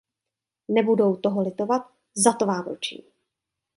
Nebudou toho litovat, za to vám ručím.